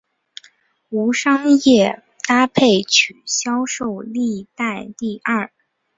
无商业搭配曲销售历代第二。